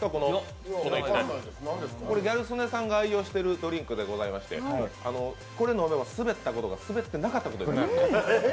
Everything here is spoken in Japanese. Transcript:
これギャル曽根さんが愛用しているドリンクでございましてこれ飲めばスベッたことが全てなかったことになる。